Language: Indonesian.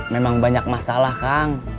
memang banyak masalah kang